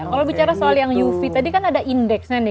kalau bicara soal yang uv tadi kan ada indeksnya nih